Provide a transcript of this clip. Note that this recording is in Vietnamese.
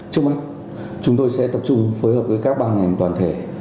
trước mắt chúng tôi sẽ tập trung phối hợp với các ban ngành toàn thể